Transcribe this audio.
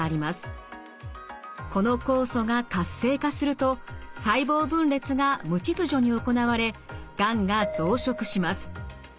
この酵素が活性化すると細胞分裂が無秩序に行われがんが増殖します。